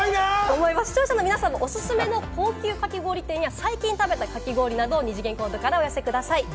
視聴者の皆さんのおすすめの高級かき氷店や、最近食べたかき氷など、二次元コードからお寄せください。